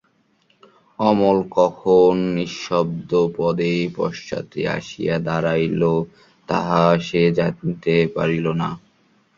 অমল কখন নিঃশব্দপদে পশ্চাতে আসিয়া দাঁড়াইল তাহা সে জানিতে পারিল না।